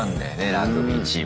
ラグビーチーム。